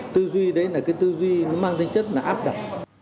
tư duy đấy là cái tư duy nó mang tính chất là áp đảo